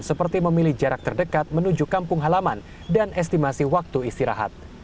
seperti memilih jarak terdekat menuju kampung halaman dan estimasi waktu istirahat